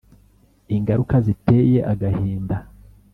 Ingaruka ziteye agahinda